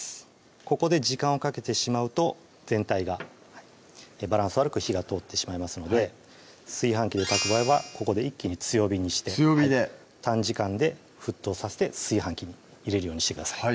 ここで時間をかけてしまうと全体がバランス悪く火が通ってしまいますので炊飯器で炊く場合はここで一気に強火にして強火で短時間で沸騰させて炊飯器に入れるようにしてください